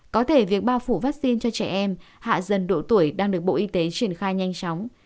có thể việc bao phủ vaccine cho trẻ em hạ dần độ tuổi đang được bộ y tế triển khai nhanh chóng